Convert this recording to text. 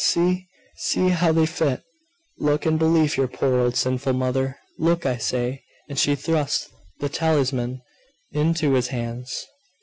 See! See how they fit! Look, and believe your poor old sinful mother! Look, I say!' and she thrust the talisman into his hands.